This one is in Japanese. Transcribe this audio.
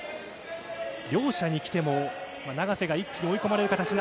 両者にきても、永瀬が一気に追い込まれる形に。